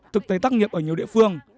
thực tế tác nghiệp ở nhiều địa phương